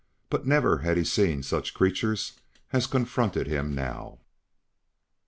But never had he seen such creatures as confronted him now.